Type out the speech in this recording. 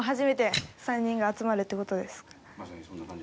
まさにそんな感じ。